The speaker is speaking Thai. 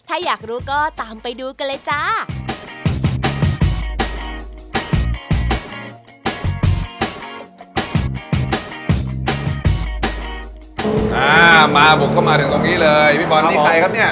อ่ามาบุกเข้ามาถึงตรงนี้เลยพี่บอลนี่ใครครับเนี้ย